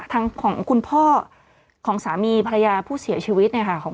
ของคุณพ่อของสามีภรรยาผู้เสียชีวิตเนี่ยค่ะ